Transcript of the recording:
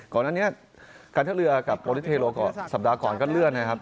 ก่อนอันนี้การท่าเรือกับโปรลิสเทโลก็สัปดาห์ก่อนก็เลื่อนนะครับ